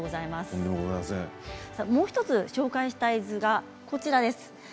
もう１つ紹介したい図がこちらです。